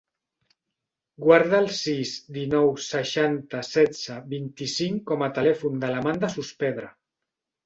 Guarda el sis, dinou, seixanta, setze, vint-i-cinc com a telèfon de l'Amanda Sospedra.